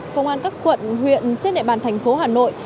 công an các quận huyện trên địa bàn thành phố hà nội